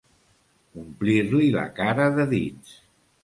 Omplir-li la cara de dits.